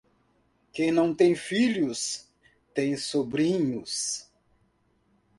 Quem não tem filhos, tem sobrinhos.